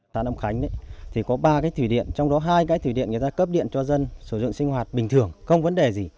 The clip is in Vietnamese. xã nậm khánh có ba thủy điện trong đó hai thủy điện người ta cấp điện cho dân sử dụng sinh hoạt bình thường không vấn đề gì